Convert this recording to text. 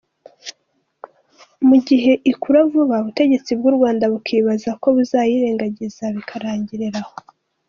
Mu gihe ikura vuba ubutegetsi bw’u Rwanda bukibaza ko buzayirengagiza bikarangirira aho.